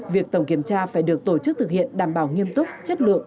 việc tổng kiểm tra phải được tổ chức thực hiện đảm bảo nghiêm túc chất lượng